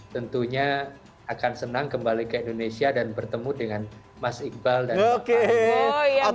tentunya akan senang kembali ke indonesia dan bertemu dengan mas iqbal dan pak luhut